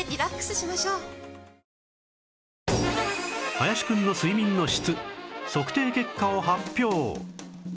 林くんの睡眠の質測定結果を発表